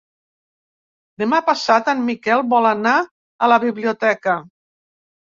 Demà passat en Miquel vol anar a la biblioteca.